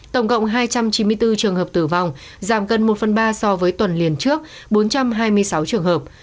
tổng cộng hai trăm chín mươi bốn trường hợp tử vong giảm gần một phần ba so với tuần liền trước bốn trăm hai mươi sáu trường hợp